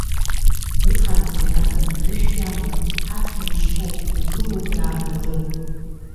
Иаҳамҳәо наган анышә иамоуп, ҳаԥхьа ишьҭоуп, игылоуп иаабаӡом.